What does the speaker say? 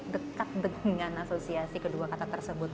dekat dengan asosiasi kedua kata tersebut